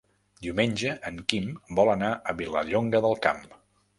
Diumenge en Quim vol anar a Vilallonga del Camp.